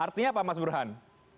artinya apa mas burhan